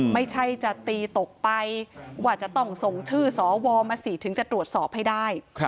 ไม่ใช่จะตีตกไปว่าจะต้องส่งชื่อสวมาสิถึงจะตรวจสอบให้ได้